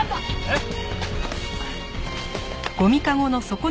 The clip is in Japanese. えっ？